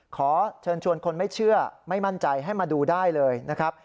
ขอเชิญชวนคนไม่เชื่อไม่มั่นใจให้มาดูได้เลยนะครับ